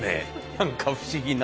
何か不思議な。